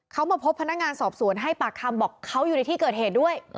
เขามาพบพนักงานสอบสวนให้ปากคำบอกเขาอยู่ในที่เกิดเหตุด้วย